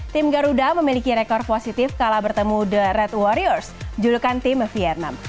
tim garuda memiliki rekor positif kala bertemu the red warriors julukan tim vietnam